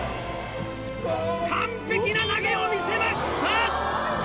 完璧な投げを見せました！